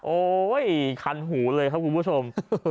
โอ้ยคันหูเลยครับคุณผู้ชม